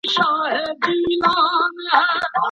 انجینري پوهنځۍ په تصادفي ډول نه ټاکل کیږي.